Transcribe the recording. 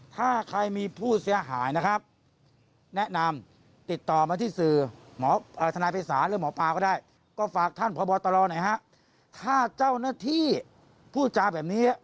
ถ้าใครมีภูติเสียหายนะครับ